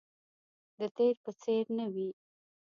د تیر په څیر نه وي